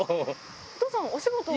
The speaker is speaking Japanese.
お父さん、お仕事は？